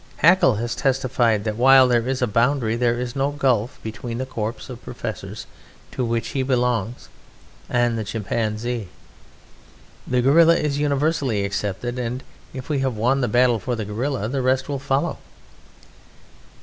Hackel has testified that while there is a boundary, there is no gulf between the corps of professors to which he belongs and the Chimpanzee. The Gorilla is universally accepted, and if we have won the battle for the Gorilla, the rest will follow.